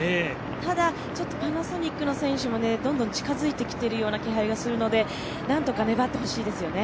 ただパナソニックの選手もどんどん近づいてきているような気配もするのでなんとか粘ってほしいですよね。